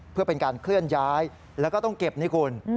เพื่อเป็นการเคลื่อนย้ายแล้วก็ต้องเก็บนี่คุณ